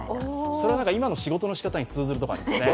それは今の仕事のしかたに通ずるところありますよね。